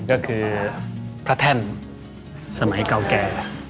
ก็คือพระแท่นสมัยเก่าแก่